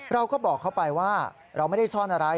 เราก็บอกเขาไปว่าเราไม่ได้ซ่อนอะไร